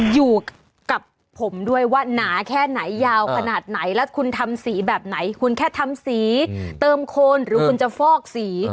อยู่กับผมด้วยว่าหนาแค่ไหนยาวขนาดไหนแล้วคุณทำสีแบบไหนคุณแค่ทำสีเติมโคนหรือคุณจะฟอกสี